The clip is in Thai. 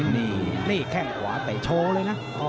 นี่แข้งขวาเตะโชว์เลยนะ